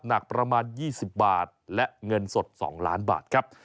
หนักประมาณ๒๐บาทและเงินสด๒ล้านบาทครับ